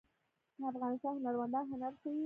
د افغانستان هنرمندان هنر ښيي